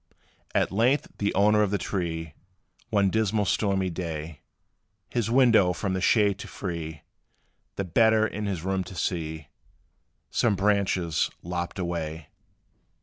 At length, the owner of the tree One dismal, stormy day, His window from the shade to free, The better in his room to see, Some branches lopped away.